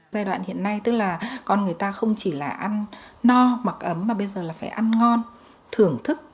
giai đoạn hiện nay tức là con người ta không chỉ là ăn no mặc ấm mà bây giờ là phải ăn ngon thưởng thức